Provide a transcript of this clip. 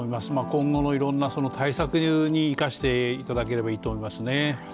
今後のいろんな対策に生かしていただければいいと思いますね。